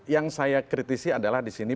yang saya kritisi adalah di sini